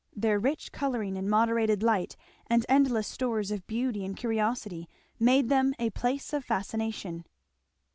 Their rich colouring and moderated light and endless stores of beauty and curiosity made them a place of fascination.